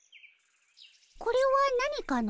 これは何かの？